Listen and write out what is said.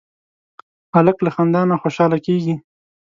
هلک له خندا نه خوشحاله کېږي.